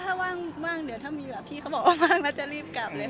คิดว่าถ้าว่างเดี๋ยวถ้ามีพี่เขาบอกว่าว่าว่างแล้วจะรีบกลับเลยค่ะ